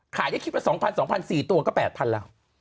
ขายที่เรา๒๐๐๐๒๐๐๐๔ตัวก็๘๐๐๐แล้ว